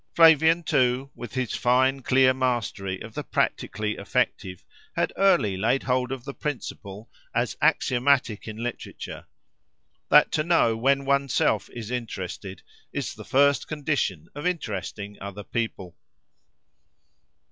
Flavian too, with his fine clear mastery of the practically effective, had early laid hold of the principle, as axiomatic in literature: that to know when one's self is interested, is the first condition of interesting other people.